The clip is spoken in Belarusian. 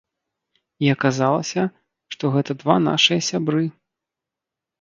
І аказалася, што гэта два нашыя сябры.